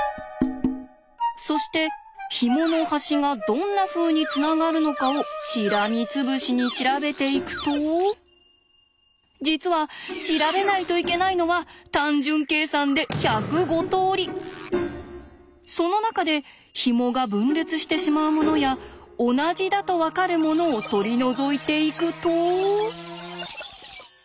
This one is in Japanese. そしてひもの端がどんなふうにつながるのかをしらみつぶしに調べていくと実は調べないといけないのは単純計算でその中でひもが分裂してしまうものや同じだと分かるものを取り除いていくと。